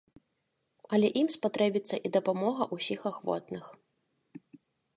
Але ім спатрэбіцца і дапамога ўсіх ахвотных.